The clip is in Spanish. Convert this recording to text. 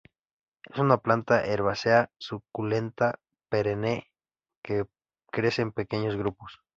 Es una planta herbácea suculenta, perenne que crece en pequeños grupos.